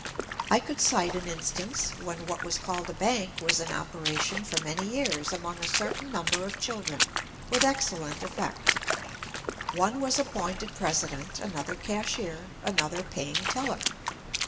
I could cite an instance when what was called a bank was in operation for many years among a certain number of children, with excellent effect. One was appointed president, another cashier, another paying teller.